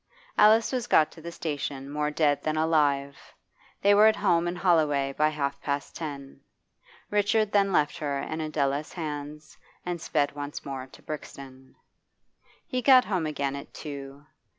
Alice was got to the station more dead than alive; they were at home in Holloway by half past ten. Richard then left her in Adela's hands and sped once more to Brixton. He got home again at two.